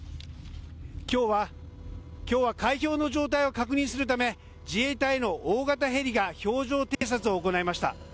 今日は海氷の状態を確認するため自衛隊の大型ヘリが氷上偵察を行いました。